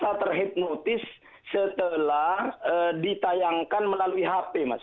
saya terasa terhipnotis setelah ditayangkan melalui hp mas